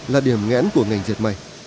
là điểm nghẽn của ngành diệt mây